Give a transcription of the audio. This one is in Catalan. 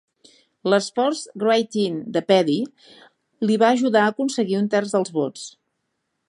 L'esforç write-in de Peddy li va ajudar a aconseguir un terç dels vots.